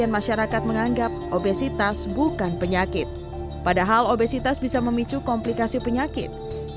masyarakat menganggap obesitas bukan penyakit padahal obesitas bisa memicu komplikasi penyakit